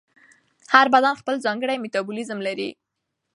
هر بدن خپل ځانګړی میتابولیزم لري.